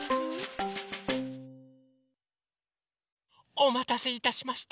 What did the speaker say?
おまたせいたしました！